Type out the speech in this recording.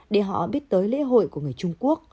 để họ biết tới lễ hội của người trung quốc